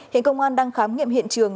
hiện công an đang khám nghiệm hiện trường